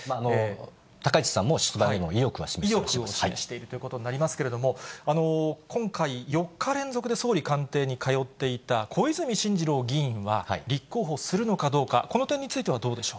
高市さんも出馬への意欲は示意欲は示しているということになりますけれども、今回、４日連続で総理官邸に通っていた小泉進次郎議員は、立候補するのかどうか、この点についてはどうでしょう。